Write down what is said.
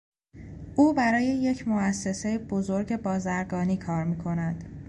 او برای یک موسسهی بزرگ بازرگانی کار میکند.